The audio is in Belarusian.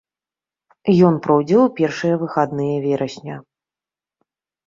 Ён пройдзе ў першыя выхадныя верасня.